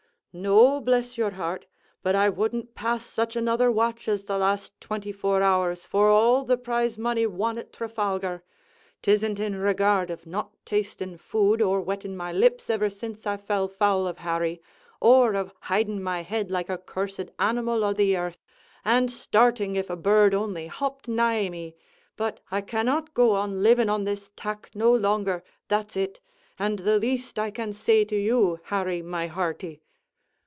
"No, bless your heart; but I wouldn't pass such another watch as the last twenty four hours for all the prize money won at Trafalgar. 'Tisn't in regard of not tasting food or wetting my lips ever since I fell foul of Harry, or of hiding my head like a cursed animal o' the yearth, and starting if a bird only hopped nigh me: but I cannot go on living on this tack no longer; that's it; and the least I can say to you, Harry, my hearty."